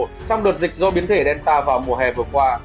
trong đợt dịch do biến thể delta vào mùa hè vừa qua